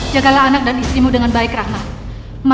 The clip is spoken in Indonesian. jagalah anak dan istrimu dengan baik rahmat